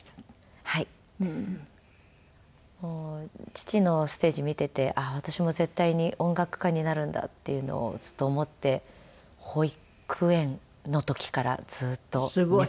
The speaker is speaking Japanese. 父のステージを見ていて私も絶対に音楽家になるんだっていうのをずっと思って保育園の時からずっと目指していました。